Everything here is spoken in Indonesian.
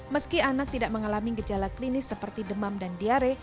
meski anak tidak mengalami gejala klinis seperti demam dan diare